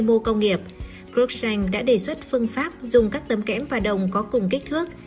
mô công nghiệp broxanh đã đề xuất phương pháp dùng các tấm kẽm và đồng có cùng kích thước